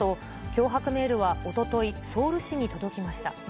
脅迫メールはおととい、ソウル市に届きました。